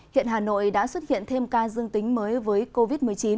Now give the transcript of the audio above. hiện hà nội đã xuất hiện thêm ca dương tính mới với covid một mươi chín